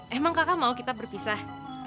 emang kakak mau kita berpisah